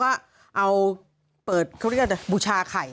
เขาเรียกว่าบุชาไข่